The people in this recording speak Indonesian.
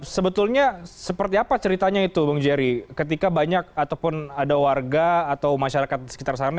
sebetulnya seperti apa ceritanya itu bung jerry ketika banyak ataupun ada warga atau masyarakat di sekitar sana